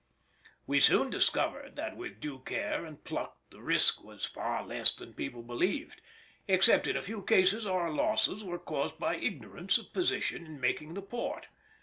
We soon discovered that with due care and pluck the risk was far less than people believed; except in a few cases our losses were caused by ignorance of position in making the port.